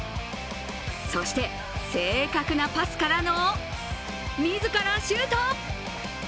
そして正確なパスからの自らシュート。